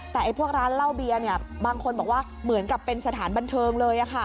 แต่พวกร้านเหล้าเบียร์บางคนบอกว่าเหมือนกับเป็นสถานบันเทิงเลย